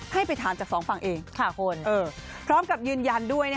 ให้ไปถามจากสองฝั่งเองค่ะคุณพร้อมกับยืนยันด้วย